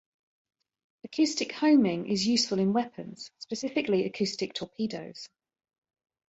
Acoustic homing is useful in weapons, specifically acoustic torpedoes.